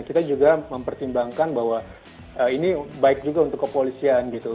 kita juga mempertimbangkan bahwa ini baik juga untuk kepolisian gitu